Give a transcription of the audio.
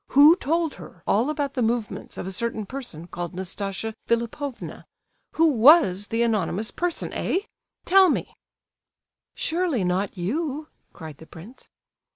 Who told her all about the movements of a certain person called Nastasia Philipovna? Who was the anonymous person, eh? Tell me!" "Surely not you?" cried the prince.